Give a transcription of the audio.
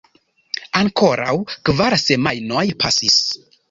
Ankoraŭ kvar semajnoj pasis.